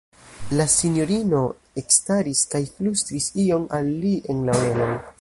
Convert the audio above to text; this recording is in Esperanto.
La sinjorino ekstaris kaj flustris ion al li en la orelon.